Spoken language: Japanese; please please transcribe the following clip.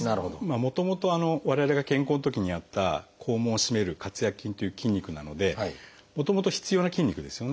もともと我々が健康なときにあった肛門を締める括約筋という筋肉なのでもともと必要な筋肉ですよね。